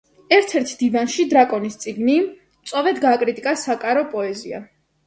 ერთ-ერთ დივანში „დრაკონის წიგნში“ მწვავედ გააკრიტიკა საკარო პოეზია.